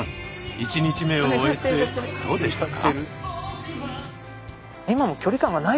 １日目を終えてどうでしたか？